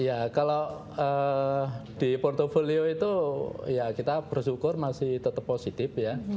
ya kalau di portfolio itu ya kita bersyukur masih tetap positif ya